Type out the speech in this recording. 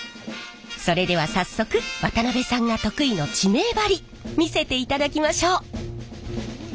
それでは早速渡辺さんが得意の地名貼り見せていただきましょう。